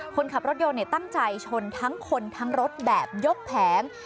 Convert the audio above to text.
คนขับรถยนต์ตั้งใจชนทั้งคนทั้งรถแบบยกแผง